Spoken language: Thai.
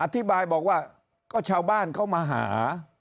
อธิบายบอกว่าก็ชาวบ้านเขามาหา